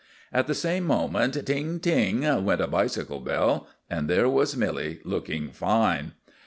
At the same moment ting! ting! went a bicycle bell; and there was Milly, looking fine.